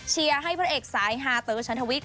เชียร์ให้พระเอกสายหาเตอร์ชันธวิทย์